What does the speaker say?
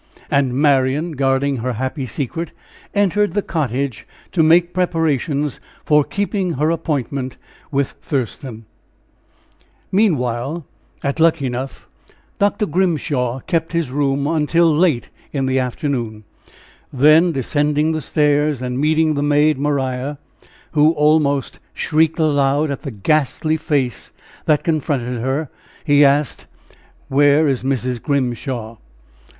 And Marian, guarding her happy secret, entered the cottage to make preparations for keeping her appointment with Thurston. Meanwhile, at Luckenough, Dr. Grimshaw kept his room until late in the afternoon. Then, descending the stairs, and meeting the maid Maria, who almost shrieked aloud at the ghastly face that confronted her, he asked: "Where is Mrs. Grimshaw?"